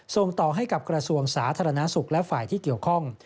ส่งต่อให้กับกระทรวงสาธารณสุขและฝ่ายที่เกี่ยวข้อง